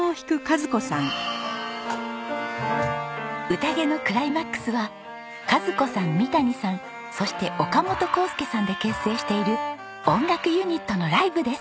宴のクライマックスは賀津子さん三谷さんそして岡本耕介さんで結成している音楽ユニットのライブです。